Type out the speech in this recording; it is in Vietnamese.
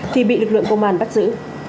thì bị lực lượng công an bắt giữ